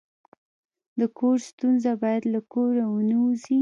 د کور ستونزه باید له کوره ونه وځي.